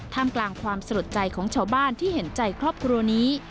กลางความสะลดใจของชาวบ้านที่เห็นใจครอบครัวนี้